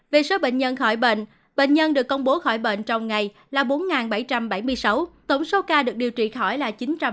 về số bệnh nhân khỏi bệnh bệnh nhân được công bố khỏi bệnh trong ngày là bốn bảy trăm bảy mươi sáu tổng số ca được điều trị khỏi là chín trăm một mươi hai trăm bảy mươi sáu